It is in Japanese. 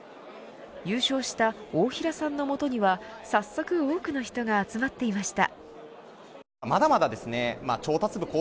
優勝した大平さんのもとには早速、多くの人が集まっていました。